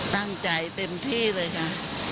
ตั้งใจเต็มที่เลยค่ะ